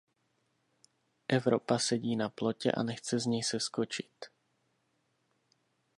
Evropa sedí na plotě a nechce z něj seskočit.